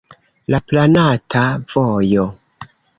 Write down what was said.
La planata vojo.